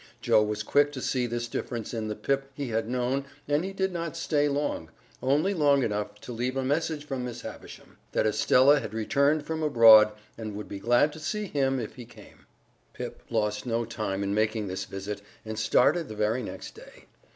Joe was quick to see this difference in the Pip he had known and he did not stay long only long enough to leave a message from Miss Havisham: that Estella had returned from abroad and would be glad to see him if he came. Pip lost no time in making this visit, and started the very next day.